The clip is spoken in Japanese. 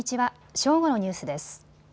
正午のニュースです。